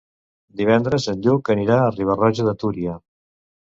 Divendres en Lluc anirà a Riba-roja de Túria.